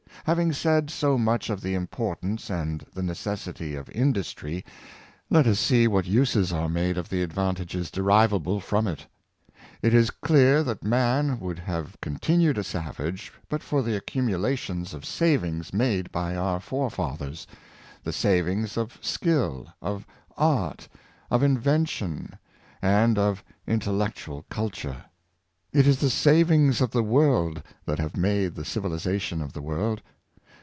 Having said so much of the importance and the necessit}' of industr}', let us see what uses are made of the advantages derivable from it. It is clear that man would have continued a savasfc but for the accumula tions of savings made by our forefathers — the savings of skill, of art, of invention, and of intellectual culture. It is the savings of the world that have made the civ ilization of the world.